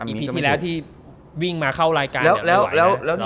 อีพีที่แล้วที่วิ่งมาเข้ารายการ